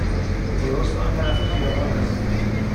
درست آن طرف خیابان است.